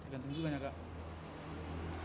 ganti juga ya kak